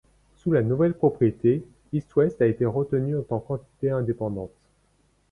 Sous la nouvelle propriété, East-West a été retenu en tant qu'entité indépendante.